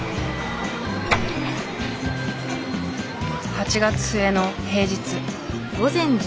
８月末の平日。